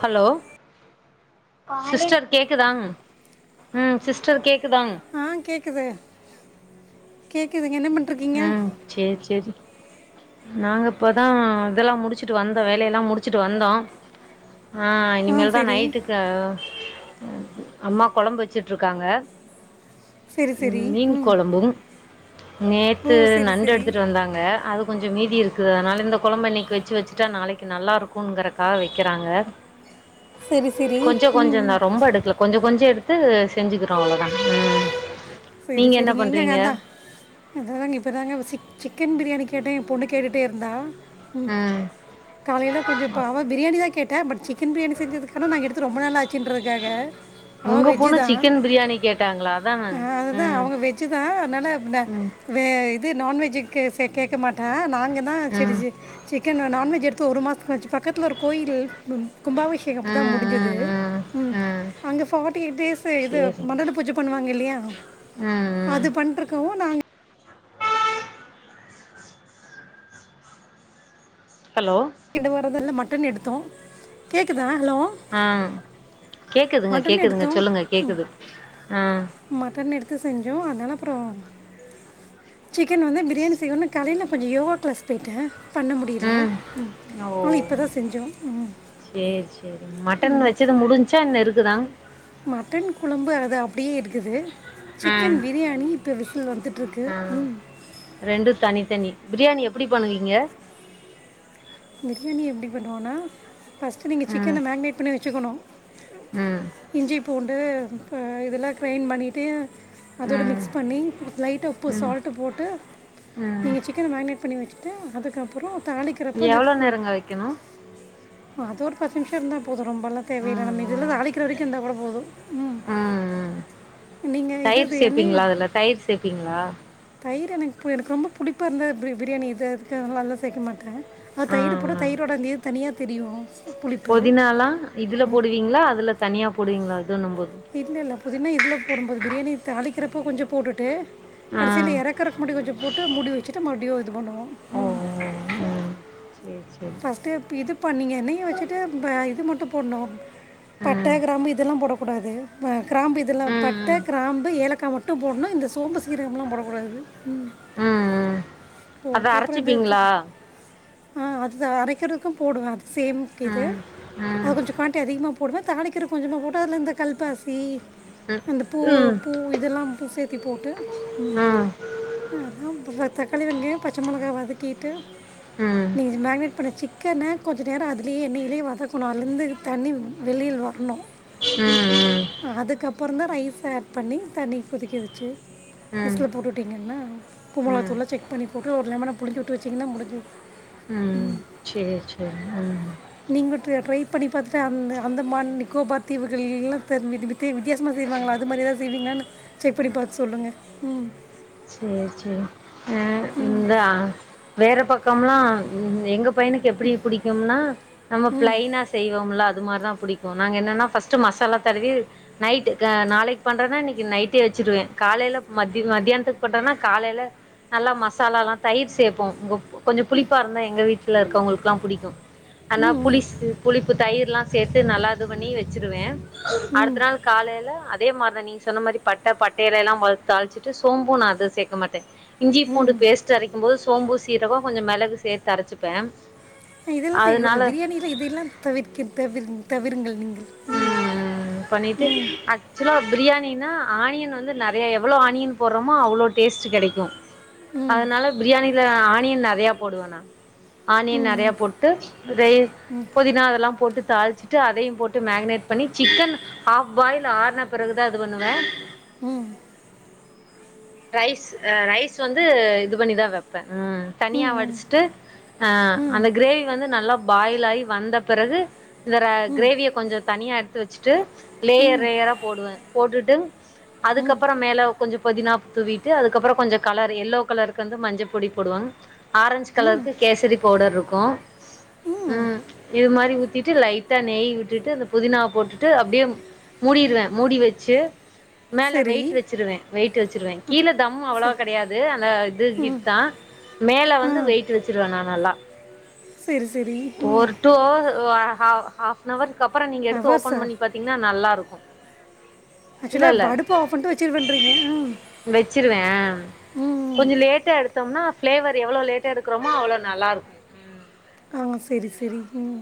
Hello sister கேக்குதா ம் sister கேக்குதா ஆ கேக்குது கேக்குதுங்க என்ன பண் ம் சேரி சேரி நாங்க இப்போதா இதெல்லா முடிச்சிட்டு வந்தோ வேலையெல்லா முடிச்சிட்டு வந்தோ ஆ இனிமேல் தா நைட்டுக்கு அம்மா கொழம்பு வச்சிட்ருக்காங்க சரி சரி மீன் ம் கொழம்பு ஓ நேத்து சரி நண்டு சரி எடுத்துட்டு வந்தாங்க அது கொஞ்ச மீதி இருக்குது அதனால இந்த கொழம்பு இன்னிக்கு வச்சு வச்சுட்டா நாளைக்கு நல்லா இருக்கும்ங்கிறக்காக வக்கிறாங்க சரி சரி கொஞ்ச ம் கொஞ்சந்தா ம். ரொம்ப எடுக்கல கொஞ்ச கொஞ்ச எடுத்து செஞ்சுக்கிறோ அவ்ளோதா சரி நீங்க என்ன சரிங்க எங்க அங்கே பண்றீங்க அந்தா அதாங்க இப்போதாங்க சி சிக்கன் பிரியாணி கேட்ட எ பொண்ணு கேட்டுட்டே இருந்தா ம் காலைல கொஞ்ச அவ பிரியாணி தா கேட்டா பட் சிக்கன் பிரியாணி செஞ்சதுக்க நா எடுத்து ரொம்ப நாள் ஆச்சுன்றக்கு க்காக அவ உங்க வெஜ்ஜு பொண்ணு தா சிக்கன் பிரியாணி கேட்டாங்களா அதா ம் ஆ அதா ம் அவங்க வெஜ்ஜுதா அதனால இது நா ம் வே நான் வெஜ்ஜு கேக்க மாட்டே நாங்க ஆ சேரி ம் சேரி சிக்கன் நான்வெஜ் எடுத்து ஒரு மாசம் ஆச்சு பக்கத்துல ஒரு கோயில் கும்பாபிஷேகம் இப்பதா முடிஞ்சது ம் அங்க பார்டி எய்ட் டேஸ்சு இது சேரிங்க மண்டல பூஜை பண்ணுவாங்க இல்லயா ம் ம் அது பண்ட்ருக்கவு நாங் ஹலோ இந்த வாரத இல்ல மட்டன் எடுத்தோ கேக்குதா ஹலோ ஆ கேக்குதுங்க மட்டன் கேக்குதுங்க எடுத்தோம் சொல்லுங்க கேக்குது ஆ மட்டன் எடுத்து செஞ்சோ அதால அப்பறோ சிக்கன் வந்து பிரியாணி செய்யணும்னா காலைல கொஞ்ச யோகா க்ளாஸ் போயிட்டே பண்ண முடில ம் ஓ சேரி சேரி மட்டன் வச்சது முடிஞ் ச்சன் இருக்குதா மட்டன் குழம்பு அது அப்டியே இருக்குது ம் சிக்கன் பிரியாணி இப்ப விசில் வந்துட்ருக்கு ஆ ம் ரெண்டு தனித்தனி பிரியாணி எப்டி பண்ணுவீங்க பிரியாணிய எப்டி பண்ணுவோனா ஃபஸ்ட்டு நீ ம் சிக்கன மேக்னட் பண்ண வச் ச்சுக்கணு ம் இஞ்சி பூண்டு இப்போ இதல்லா கிரைண்ட் பண்ணிட்டு சிக் அதோட ம் மிக்ஸ் பண்ணி லைட்டா உப்பு ம் சால்ட்டி போட்டு ம் நீங்க கன மேக்னேட் பண்ணி வச்சுட்டு அதுக்கப்பற தாளிக்கிறப்போ இந்த எவ்ளோ நேரங்க வைக்கணு அது ஒரு பத்து நிமிஷ இருந்தா போது ரொம்பல்லா தேவையில்ல ம் நம்ம இதுல ம் இருந்து அளிக்கிற வரைக்கு இருந்தா கூட போது ம் நீங்க இதுவே இருப்பிங்களா இந்த டைல்ஸ் சேப்பிங்களா தயிர் எனக்கு எனக்கு ரொம்ப புளிப்ப இருந்த பிரி பிரியாணி இது அதுக்கு அது மாரில சேக்க மாட்டே அ ஆ தயிர் போட்டா ஆ தயிரோட நீர் தனியா தெரியு புதினாலா இதுல போடுவீங்களா அதுல தனியா போடுவீங்களா அது ஒண்ணு போது இல்ல இல்ல புதினா இதில போடும்போது பிரியாணி தாளிக்கிறப்போ கொஞ்ச போட்டுட்டு ஆ கடைசியில எறக்கறக்கு முடி கொஞ்ச போட்டு முடி வச்சுட்டு மறுடியு இது பண்ணுவோ ஓ ம் ஓ ம் சேரி சேரி பர்ஸ்ட்டு இதுப் பண்ணீங்க என்னய வச்சுட்டு ப இது மட்டு போடணு பட்ட ம் கிராம்பு இதெல்லா போடக்கூடாது ப கிராம்பு இதெல்லா பட்ட ம் ம் கிராம்பு ஏலக்கா மட் ட்டும் போட்ணு இந்த சோம்பு சீரகம்லா போடகூடாது ம் ம் ம் அத போட்டு அப்புறம் இந்த அரச்சிப்பீங்ளா இது- ஆ அதுதா அரைக்கிறக்கும் போடுவே அ சேம்க்கு இது ம் ம் அது கொஞ்சக் பாட்டி அதிகமா போடுவே தாளிக்கிறக் கொஞ்சமா போட்டு அதுல இந்த கல்பாசி ம் ம் அந்த பூவு ம் பூ இதெல்லாம்பு சேத்திப் போட்டு ம் அதாம் இப்ப தக்காளி வெங்காயோ பச்ச மெளகா வதக்கீட்டு ம் நீங்க மேகினேட் பண்ண சிக் க்கன்ன கொஞ்ச நேரோ அதுலியே எண்ணெயிலியே வதக்குணு அலந்து தண்ணி வெளில் வர்ணு ம் ம் அதுக்கப்புறந்தா ரைஸ ஆட் பண்ணி தண்ணி கொதிக்க வெ ச்சு ம் ம் விசிலப் போட்டுட்டீங்கன்னா ம் [unintelligible] செக் பண்ணி போட்டு ஒரு லெமன புழிஞ்சி விட்டு வெச்சிங்கின்னா முடிஞ்சது ம் சேர் சேர் ம் நீங்க ட்ரே ட்ரைப் பண்ணி பாத்துட்டு அந்த அந்தமான் நிக்கோபாத்தீவுக் [unintelligible] வித்யாசமா செய்வாங்ளா அ மாரி எதாவ்து செய்வீங்லானு செக் பண்ணி பாத் சொல்லுங்க ம் சேர் சேரிங் அ ம் இந்த ஆ வேறப் பக்கம்லா எங்கப் பையனுக்கு எப்டி புடிக்கும்னா நம்ம ம் பிளைனாச் செய்வோம்லா அது மாரிதாம் புடிக்கு நாங்க என்னனா ஃபஸ்ட்டு மசாலாத் தடவி நைட்டு க நாளைக் பண்றனா இன்னைக்கி நைட்டே வெச்சுருவே காலைல மத்தி மத்தியான்த்துக் கொட்டோனாக் காலைல நல்லா மாசலாலாத் தயிர் சேப்போ வுங்கப் கொஞ்சோ புளிப்பாருந்தா எங்க வீட்ல இருக்கவுங்ளுக்லாம் புடிக்கு அன்னாப் ம் புளிஸ்சு புளிப்பு தயிர்லா சேத்து நல்லா இது பண்ணி வெச்சிருவே ம் அடுத்த நாள் காலைல அத் தே மார்தா நீங்க சொன்ன மாரி பட்ட பட்டைலேலாம் மொல் தாள்ச்சிட்டு சோம்பு நா அது சேக்க மாட்டே இஞ்சி ம் பூண்டு ம் பேஸ்ட்டு அரைக்கும் போது சோம்பு சீரகோ கொஞ்சோ மெளகு சேத்து அரச்சிப்பே அ இதெல்லா சேக்ககூடாது அதனால பிரியாணியில இது எல்லாந் தவிர்க்கிர் தவிர்ந் தவிருங்கள் நீங்கள் ம் ம் பண்ணிட்டு ம் அக் சுலா பிரியாணினா ஆனியன் வந்து நெறைய எவ்ளோ ஆனியன் போர்றோமோ அவ்ளோ டேஸ்ட்டு கெடைக்கு ம் அதனால பிரியாணில ஆனியன் நெறையாப் போடுவே நா ஆனியன் ம் ம் நெறையப் போட்டு ரை பொதினா அதெல்லாம் போட்டு தாள்ச்சிட்டு அதையும் போட் ட்டு மேகனேட் பண்ணி சிக்கன் ஹாஃப் பாயில் ஆனப் பிறகுதா இது பண்ணுவே ம் ரைஸ் அ ரைஸ் வந்து இது பண்ணிதா வெப் பே ம் தனியா ம் வடிச்ட்டு அ ம் அந்த கிரேவி வந்து நல்லாப் பாயிலாயி வந்தப் பிறகு இந்த ரே கிரேவியக் கொஞ்சோ தனியா எட்த்து வெச்சுட்டு லேயர் ரேயராப் போடுவே போட்டுட்டு ம் ம் அதுக்கப்பறம் மேல கொஞ்சோ பொதினாப் தூவிட்டு அதுக்கப்புறோ கொஞ்சக் கலரு எல்லோக் கலருக்கு வந்து மஞ்சப் பொடி போடுவாங்க ஆரஞ்சு ம் கலருக்கு கேசரிப் பவுடர்ருக்கு ம் இது மாரி ஊத்திட்டு லைட் டா நெய் விட்டுட்டு அந்தப் புதினாவப் போட்டுட்டு அப்டியே மூடிருவே மூடி வெச்சு மேல சரி வெயிட் வெச்சுருவே வெயிட்டு வெச்சிருவே கீழ தம் சரி அவ்ளவாக் கெடையாது அந்த இது கிட்தா மேல ஆ வந்து வெயிட்டு வெச்சிருவே நா நல்லா செரி செரி ஒரு டூ [unintelligible] ஹாஃப்னவருக்கப்பறோ நீங்க எடுத்து அவர் ஓப்பன் சார் பண்ணி பாத்தீங்னா நல்லாருக்கு இல்ல இல்ல ஆக்சுவலாக அடுப்பை ஆஃப் பண்ணிட்டு வச்சிருவேன்றீங்க ம் வெச்சிருவே அ ம் கொஞ்ச லேட்டா எடுத்தம்னா ஃப்ளேவர் எவ்ள லேட்டா எடுக்கறமோ அவ்ள நல்லாருக்கு ஆ செரி செரி ம்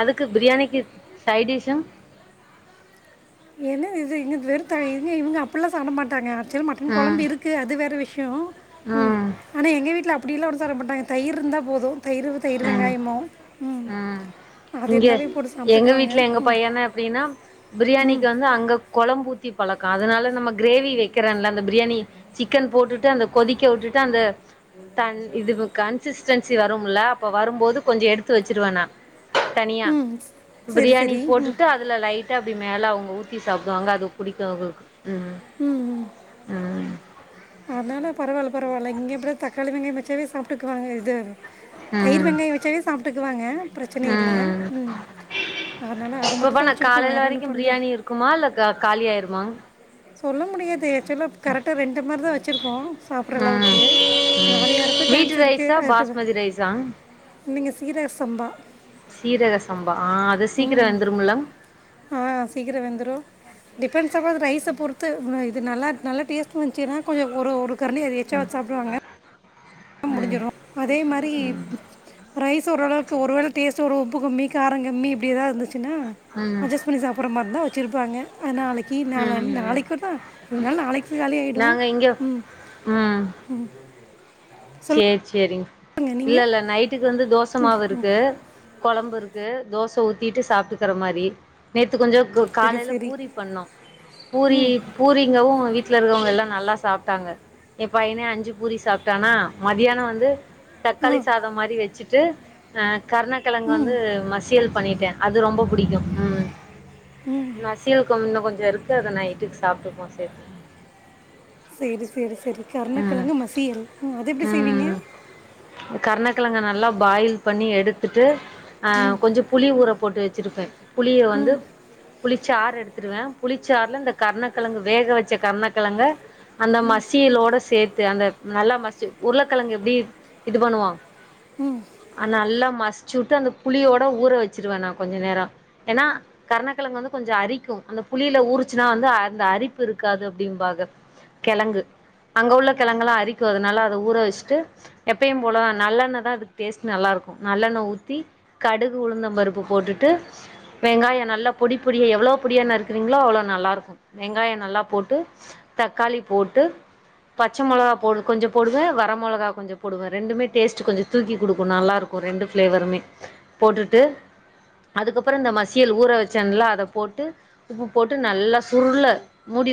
அதுக்கு பிரியாணிக்கு சைடிஸு என்ன இது இங்க வெறு த இங்க இவுங்க அப்டில்லா சாப்ட மாட்டாங்க ஆக்சுவலா மட்டன் ம் கொழம்பு இருக் கு அது வேற விஷய ம் ஆனா எங்க வீட்ல அப்டியெல்லா ஒன்னு சொல்ல மாட்டாங்க தயிர் இருந்தா போது தயிரு தயிர் ம் வெங்காயமு ம் அது இங்க இருந்தாவே போட்டு எங்க சாப்பிட்டுக்குவாங்க வீட்ல எங்க ம் பையனா எப்டின்னா ம் பிரியாணிக்கு வந்து அங்க கொழம்பூத்தி பழக்க அதனால நம்ம கிரேவி வெக்கிறன்ல அந்த பிரியாணி சிக்கன் போட்டுட்டு அந்த கொதிக்க உட்டுட்டு அந்த தன் இதுக்கு கன்சிஸ்டன்சி வருமுல்ல அப்ப வரும்போது கொஞ்ச எடுத்து வெச்சிருவ நா தனியா ம் சரி பிரியாணி சரி ம் போட்டுட்டு அதுல லைட்டா அப்டி மேல அவங்க ஊத்தி சாப்டுவாங்க அது புடிக்கு அவங்களுக்கு ம் ம் அதனால பரவால்ல பரவால்ல இங்கே இப்படி தக்காளி வெங்காய வெச்சாவே சாப்ட்டுக்குவாங்க இது தயிர் ம் வெங்காய வெச்சாவே சாப்ட்டுக்குவாங்க பிரச்சனை இல்ல ம் அதனால அது மட்டுதா வெச்சிருக்கோ வேற ஒன்னு பண்ல க்குமா இல்ல க காலியாயிருமா சொல்ல முடியாது ஆக்சுலா கரெக்டா ரெண்டு டம்ளர்தா வெச்சிருக்கோ சாப்பற ம் அளவுக்கு காலியாருக்கு சான்ஸ் இருக்கு அதுட்டு தாங் நீங்க சீரக சம்பா சீரக சம்பா ஆ அது சீக்கர ம் வெந்துருமல்லங் ஆ சீக்கர வெந்துரு டிபெண்ட்ஸ் அபான் த ரைஸ பொறுத்து இது நல்லா நல்ல டேஸ்ட் வந்ச்சுனா கொஞ்ச ஒரு ஒரு கரண்டி எச்சா வெச்சு சாப்டுவாங்க ம் முடிஞ்சிரு அதே மாரி ம் ரைஸ் ஓரளவுக்கு ஒரு வேள டேஸ்ட்டு ஒரு உப்பு கம்மி காரங் கம்மி இப்டி எதாவுது இருந்துச்சுன்னா அட்ஜஸ் பண்ணி சாப்பற மாரி இருந்தா வெச்சிருப்பாங்க அது நாளைக் கி நாளா ம் ம் நாளைக்குதா இருந்தாலு நாளைக்கு காலி ஆயிடு நாங்க இங்க ம் ம் ம் சேர் சேரிங் பாருங்க நீங்க இல்லல்ல நைட்டுக்கு வந்து தோசமாவு இருக்கு கொழம்பு இருக்கு தோச ஊத்திட்டு சாப்ட்டுக்கிற மாரி நேத்து கொஞ்ச சரி காலைல சரி பூரி பண்ணோ பூரி ம் பூரிங்கவு எங்க வீட்ல இருக்கிறவங்க எல்லா நல்லா சாப்ட்டாங்க எ பையனே அஞ்சு பூரி சாப்ட்டானா மதியான வந்து ஆ தக்காளி சாதம் மாரி வெச்சுட்டு அ கருணக்கெழங்கு ம் வந்து மசியல் பண்ணிட்டே அது ரொம்ப பிடிக்கு ம் மசியல் கொ இன்னு கொஞ்ச இருக்கு அத நைட்டுக்கு சாப்ட்டுப்போ சேத்து சேரி சேரி சேரி ம் கருணக்கெழங்கு மசியல் அது எப்டி செய்விங்க ம் கருணக்கெழங்க நல்லா பாயில் பண்ணி எடுத்துட்டு அ ம் கொஞ்ச புளி ஊற போட்டு வெச்சுருப்பே புளிய வந்து புளிச்சாறு எடுத்துருவ புளிச்சாறுல இந்த கருணக்கெழங்கு வேக வெச்ச கருணக்கெழங்க அந்த மசியலோட சேத்து அந்த நல்லா மசிச்சு உருளைக்கெழங்கு எப்டி இது பண்ணுவோ அ நல்லா மசிச்சுட்டு அந்த புளியோட ஊற வெச்சிருவ நா கொஞ்ச நேர ஏன்னா கருணக்கெழங்கு வந்து கொஞ்ச அரிக்கு அந்த புளியில ஊறுச்சுன்னா வந்து அந்த அரிப்பு இருக்காது அப்டிம்பாங்க கெழங்கு அங்க உள்ள கெழங்கல்லா அரிக்கு அதனால அத ஊற வெச்ட்டு எப்பயும் போல நல்லெண்ண தா அதுக்கு டேஸ்ட் நல்லாருக்கு நல்லெண்ண ஊத்தி கடுகு உளுந்தம்பருப்பு போட்டுட்டு வெங்காயோ நல்லா பொடி பொடி எவ்ளோ பொடியா நருக்றீங்ளோ அவ்ளோ நல்லாருக்கு வெங்காயோ நல்லா போட்டு தக்காளி போட்டு பச்ச மொளகா போடு கொஞ்ச போடுவே வர மொளகா கொஞ்ச போடுவே ரெண்டுமே டேஸ்ட் கொஞ்ச தூக்கி குடுக்கு நல்லாருக்கு ஒரு ரெண்டு ஃப்ளேவருமே போட்டுட்டு அதுக்கப்றோ இந்த மசியல் ஊற வச்சன்ல அதப்போட்டு உப்பு போட்டு நல்லா சுருள மூடி